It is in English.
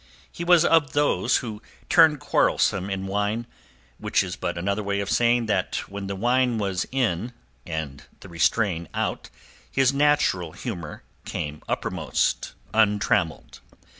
He was of those who turn quarrelsome in wine—which is but another way of saying that when the wine was in and the restraint out, his natural humour came uppermost untrammelled.